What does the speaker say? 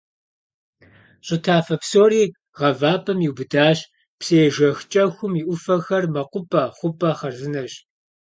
Щӏы тафэ псори гъавапӀэм иубыдащ, псыежэх КӀэхум и Ӏуфэхэр мэкъупӀэ, хъупӀэ хъарзынэщ.